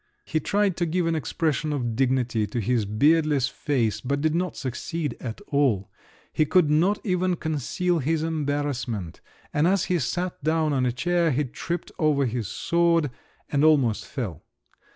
He tried to give an expression of dignity to his beardless face, but did not succeed at all: he could not even conceal his embarrassment, and as he sat down on a chair, he tripped over his sword, and almost fell.